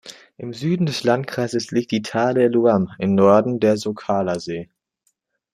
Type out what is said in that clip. Im Süden des Landkreises liegt der "Thale Luang", im Norden der Songkhla-See.